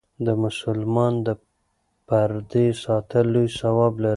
د مسلمان د پردې ساتل لوی ثواب لري.